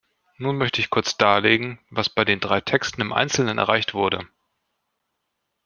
Nun möchte ich kurz darlegen, was bei den drei Texten im Einzelnen erreicht wurde.